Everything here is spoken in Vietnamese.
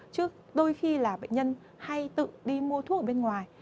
trước đôi khi là bệnh nhân hay tự đi mua thuốc ở bên ngoài